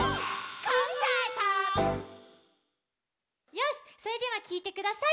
よしそれではきいてください。